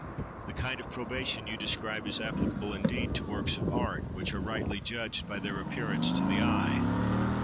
The kind of probation you describe is applicable, indeed, to works of art, which are rightly judged by their appearance to the eye.